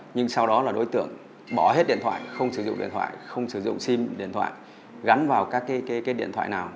nhưng sau đó là đối tượng bỏ hết điện thoại không sử dụng điện thoại không sử dụng sim điện thoại gắn vào các cái điện thoại nào